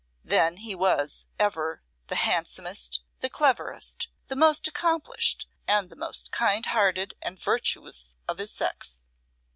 Then he was ever, the handsomest, the cleverest, the most accomplished, and the most kind hearted and virtuous of his sex.